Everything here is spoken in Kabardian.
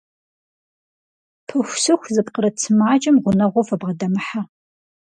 Пыхусыху зыпкъырыт сымаджэм гъунэгъуу фыбгъэдэмыхьэ.